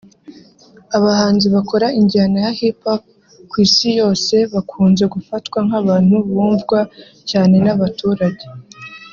Abahanzi bakora injyana ya Hip Hop ku Isi yose bakunze gufatwa nk’abantu bumvwa cyane n’abaturage